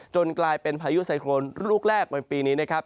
กลายเป็นพายุไซโครนลูกแรกบนปีนี้นะครับ